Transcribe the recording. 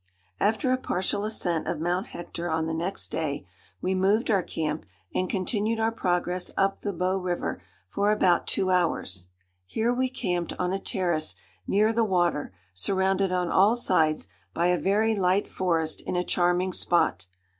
After a partial ascent of Mount Hector on the next day, we moved our camp and continued our progress up the Bow River for about two hours. Here we camped on a terrace near the water, surrounded on all sides by a very light forest in a charming spot.